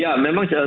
ya memang sepertinya